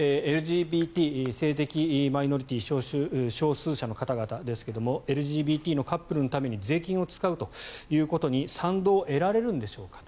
ＬＧＢＴ、性的マイノリティー少数者の方々ですがＬＧＢＴのカップルのために税金を使うということに賛同が得られるのでしょうか。